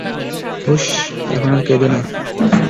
হুশ, এখন আর কেঁদো না।